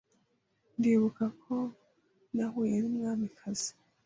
Ndibuka ko nahuye n'umwamikazi.